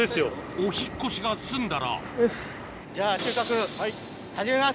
お引っ越しが済んだらよしじゃあ収穫始めます。